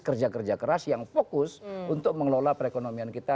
kerja kerja keras yang fokus untuk mengelola perekonomian kita